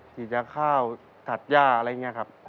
ฉีดยาข้าวตัดย่าอะไรอย่างนี้ครับ